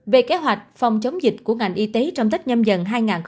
về kế hoạch phòng chống dịch của ngành y tế trong tết nhâm dần hai nghìn hai mươi